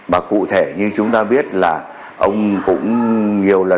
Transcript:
mà cụ thể như chúng ta biết là ông cũng nhiều lần